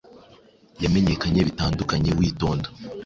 Yamenyekanye bitandukanye witonda